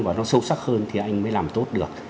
và nó sâu sắc hơn thì anh mới làm tốt được